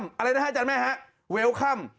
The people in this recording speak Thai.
อะไรนะฮะอาจารย์แม่วิวคัม